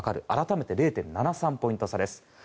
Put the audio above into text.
改めて０．７３ポイント差です。